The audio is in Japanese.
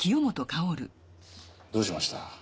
どうしました？